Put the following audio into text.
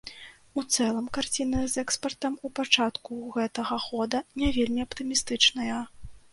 У цэлым карціна з экспартам у пачатку гэтага года не вельмі аптымістычная.